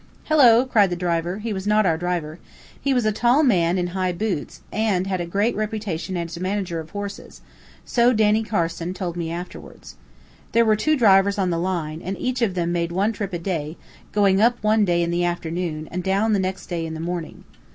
"Hello!" cried the driver. He was not our driver. He was a tall man in high boots, and had a great reputation as a manager of horses so Danny Carson told me afterward. There were two drivers on the line, and each of them made one trip a day, going up one day in the afternoon, and down the next day in the morning.